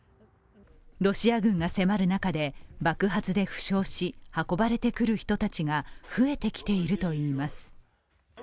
ロシア軍が迫る中で爆発で負傷し運ばれてくる人たちが増えてきているといいます。